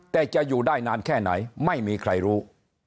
แต่จะอยู่ได้นานแค่ไหนไม่มีใครรู้